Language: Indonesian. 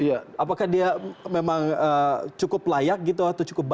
apakah dia memang cukup layak gitu atau cukup baik